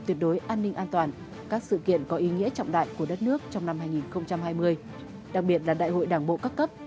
tuyệt đối an ninh an toàn các sự kiện có ý nghĩa trọng đại của đất nước trong năm hai nghìn hai mươi đặc biệt là đại hội đảng bộ các cấp